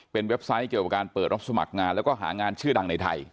เป็นเว็บไซต์เกี่ยวกับการเปิดรับสมัครงานแล้วก็หางานชื่อดังในไทย